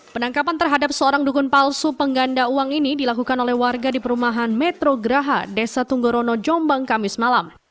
penangkapan terhadap seorang dukun palsu pengganda uang ini dilakukan oleh warga di perumahan metrograha desa tunggorono jombang kamis malam